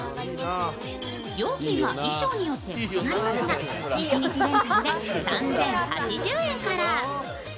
料金は衣装によって異なりますが一日レンタルで３０８０円から。